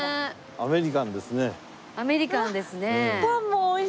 アメリカンですね。